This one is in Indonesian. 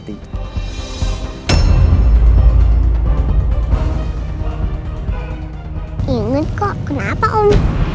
ingat kok kenapa om